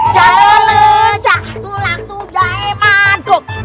jalene cah tulang tu jahe maguk